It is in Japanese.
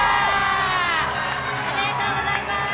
おめでとうございます。